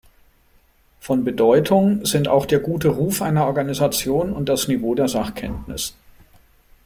Von Bedeutung sind auch der gute Ruf einer Organisation und das Niveau der Sachkenntnis.